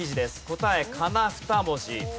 答え仮名２文字。